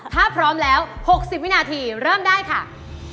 ถ้าพร้อมแล้ว๖๐วินาทีเริ่มได้ค่ะ